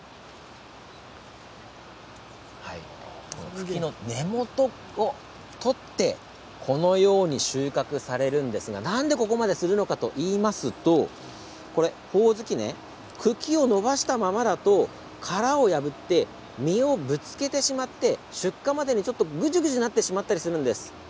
茎の根元を取ってこのように収穫するんですがなんでここまでするのかといいますとほおずき、茎を伸ばしたままだと殻を破って実をぶつけてしまって出荷までにグチュグチュなってしまったりするんです。